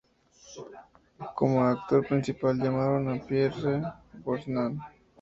Como actor principal llamaron a Pierce Brosnan.